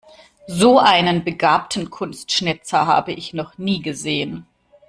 So einen begabten Kunstschnitzer habe ich noch nie gesehen.